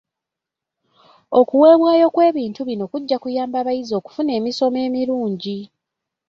Okuweebwayo kw'ebintu bino kujja kuyamba abayizi okufuna emisomo emirungi.